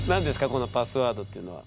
このパスワードっていうのは。